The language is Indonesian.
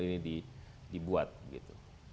ini dibuat gitu